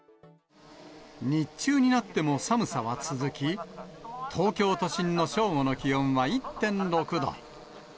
日中になっても寒さは続き、東京都心の正午の気温は１．６度。